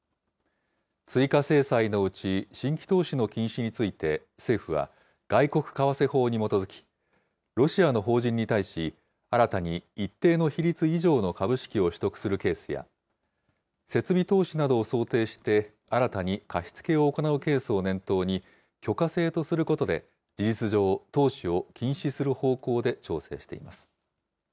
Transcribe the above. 追加制裁のうち、新規投資の禁止について、政府は、外国為替法に基づき、ロシアの法人に対し、新たに一定の比率以上の株式を取得するケースや、設備投資などを想定して、新たに貸付を行うケースを念頭に、許可制とすることで事実上、投資を禁止する方向で調整しています。